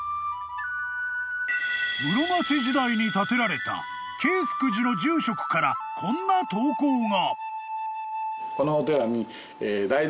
［室町時代に建てられた景福寺の住職からこんな投稿が］